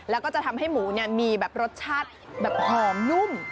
แล้วก็จะทำให้หมูมีแบบรสชาติแบบหอมนุ่ม